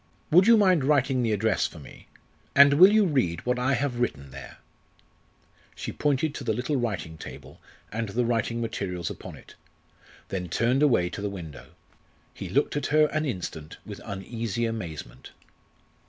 Would you mind writing the address for me, and will you read what I have written there?" She pointed to the little writing table and the writing materials upon it, then turned away to the window. He looked at her an instant with uneasy amazement.